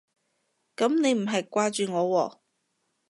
噉你唔係掛住我喎